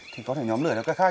thì có thể nhóm lửa nó cách khác